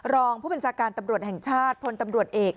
รองผู้บัญชาการตำรวจแห่งชาติพลตำรวจเอก